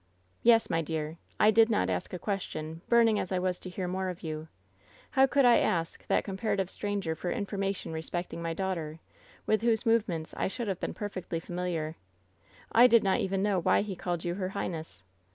" 'Yes, my dear. I did not ask a question, burning as I was to hear more of you. How could I ask that com parative stranger for information respecting my daugh ter, with whose movements I should have been perfectly familiar ? I did not even know why he called you "her highness."